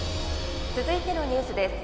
続いてのニュースです。